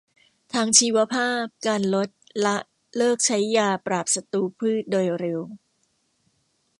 ทางชีวภาพ การลด ละ เลิกใช้ยาปราบศัตรูพืชโดยเร็ว